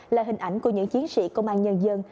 là hình ảnh của những chiến sĩ công an nhân dân